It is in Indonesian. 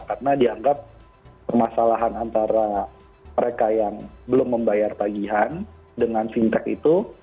karena dianggap permasalahan antara mereka yang belum membayar pagihan dengan fintech itu